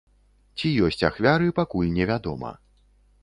Ці ёсць ахвяры, пакуль невядома.